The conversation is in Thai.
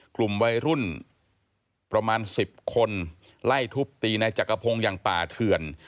กลุ่มวัยรุ่นประมาณ๑๐คนไล่ทุบตีในจักรพงศ์อย่างป่าเถื่อน